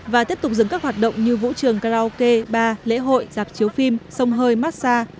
và tiếp tục dừng các hoạt động như vũ trường karaoke ba lễ hội dạp chiếu phim sông hơi massage